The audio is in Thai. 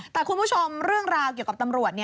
แต่คุณผู้ชมเรื่องราวเกี่ยวกับตำรวจ